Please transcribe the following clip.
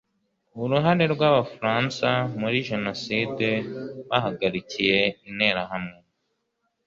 uruhare rw'abafaransa muri jenoside bahagarikiye interahamwe